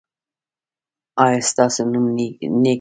ایا ستاسو نوم نیک نه دی؟